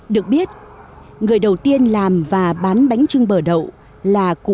được biết người đầu tiên làm và bán bánh trưng bờ đậu là công tác trọng tâm chỉ đạo hỗ trợ cho làng nghề phát triển